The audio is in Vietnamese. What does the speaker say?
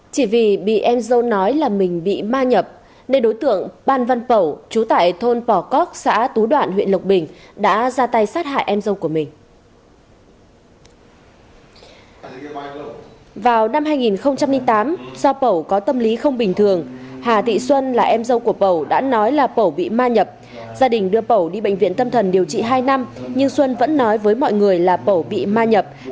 chỉ vì bị em dâu nói là mình bị ma nhập nên đối tượng ban văn pẩu chú tại thôn pò cóc xã tú đoạn huyện lộc bình đã ra tay sát hại em dâu của mình